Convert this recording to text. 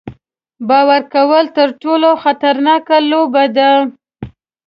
باور کول تر ټولو خطرناکه لوبه ده.